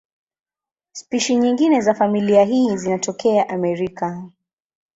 Spishi nyingine za familia hii zinatokea Amerika.